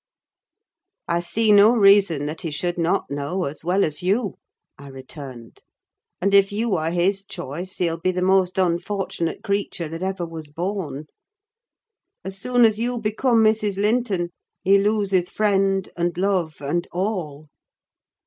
"I see no reason that he should not know, as well as you," I returned; "and if you are his choice, he'll be the most unfortunate creature that ever was born! As soon as you become Mrs. Linton, he loses friend, and love, and all!